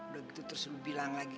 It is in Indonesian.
udah gitu terus gue bilang lagi